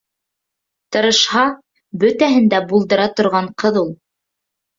Тырышһа, бөтәһен дә булдыра торған ҡыҙ ул.